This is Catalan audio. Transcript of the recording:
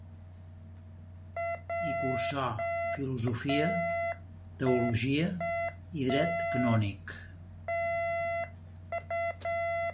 Hi cursà Filosofia, Teologia i Dret canònic.